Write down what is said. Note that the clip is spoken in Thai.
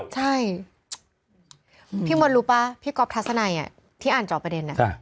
ใช่พี่มนต์รู้ป่ะพี่ก๊อฟทัศนัยที่อ่านจอบประเด็น